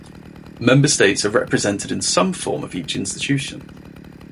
Member states are represented in some form in each institution.